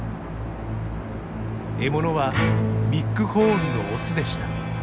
獲物はビッグホーンのオスでした。